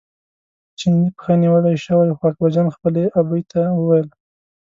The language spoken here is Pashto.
چیني پښه نیولی شو خو اکبرجان خپلې ابۍ ته وویل.